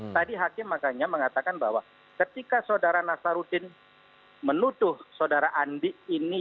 tadi hakim makanya mengatakan bahwa ketika saudara nasaruddin menuduh saudara andi ini